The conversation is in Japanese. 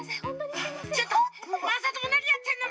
ちょっとまさともなにやってんの？